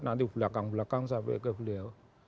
nanti belakang belakang sampai ke beliau